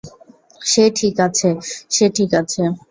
সে ঠিক আছে, সে ঠিক আছে।